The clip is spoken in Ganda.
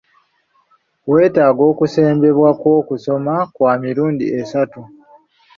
Weetaaga okusembebwa kw'okusoma kwa mirundi esatu.